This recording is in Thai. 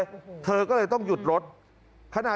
ทำไมคงคืนเขาว่าทำไมคงคืนเขาว่า